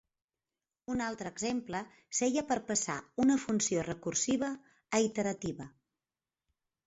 Un altre exemple seia per passar una funció recursiva a iterativa.